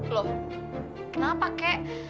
loh kenapa kek